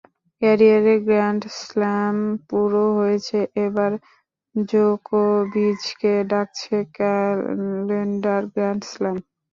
Career grand slam পুরো হয়েছে, এবার জোকোভিচকে ডাকছে ক্যালেন্ডার গ্র্যান্ড স্লাম।